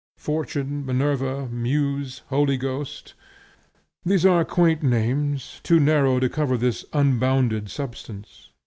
Fortune, Minerva, Muse, Holy Ghost, these are quaint names, too narrow to cover this unbounded substance.